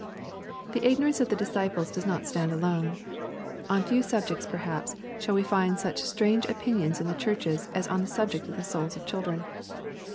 *' The ignorance of the disciples does not stand alone. On few subjects, perhaps, shall we find such strange opinions in the churches, as on the subject of the souls of children.